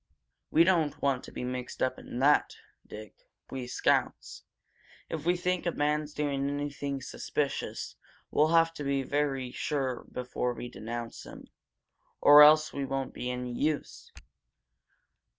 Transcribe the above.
We don't want to be mixed up in that, Dick we scouts. If we think a man's doing anything suspicious, we'll have to be very sure before we denounce him, or else we won't be any use."